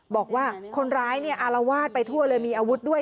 บอกว่าคนร้ายเนี่ยอารวาสไปทั่วเลยมีอาวุธด้วย